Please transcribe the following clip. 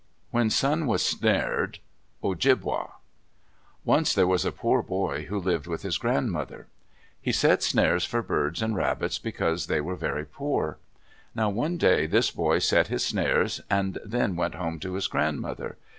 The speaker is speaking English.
WHEN SUN WAS SNARED Ojibwa Once there was a poor boy who lived with his grandmother. He set snares for birds and rabbits because they were very poor. Now one day this boy set his snares, and then went home to his grandmother.